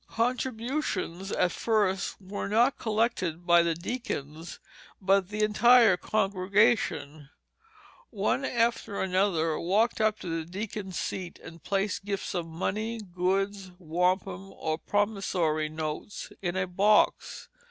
Contributions at first were not collected by the deacons, but the entire congregation, one after another, walked up to the deacons' seat and placed gifts of money, goods, wampum, or promissory notes in a box.